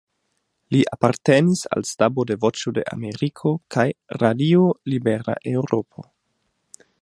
Li apartenis al stabo de Voĉo de Ameriko kaj Radio Libera Eŭropo.